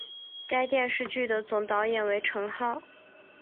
该电视剧的总导演为成浩。